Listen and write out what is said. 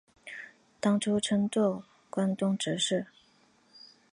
当初称作关东执事。